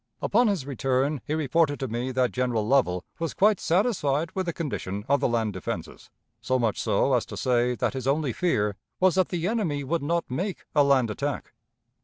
Upon his return, he reported to me that General Lovell was quite satisfied with the condition of the land defenses so much so as to say that his only fear was that the enemy would not make a land attack.